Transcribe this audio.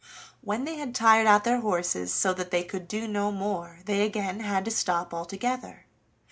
When they had tired out their horses, so that they could do no more, they again had to stop altogether.